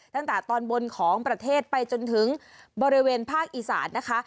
ตั้งแต่ตอนบนของประเทศไปจนถึงบริเวณภาคอีสานนะคะ